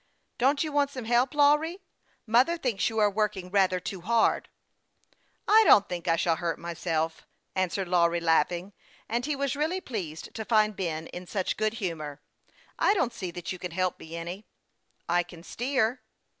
" Don't you want some help, Lawry ? Mother thinks you are working rather too hard." " I don't think I shall hurt myself," answered Lawry, laughing ; and he was really pleased to find Ben in such good humor. "I don't see that you can help me any." " I can steer."